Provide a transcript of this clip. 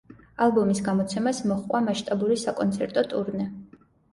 ალბომის გამოცემას მოჰყვა მასშტაბური საკონცერტო ტურნე.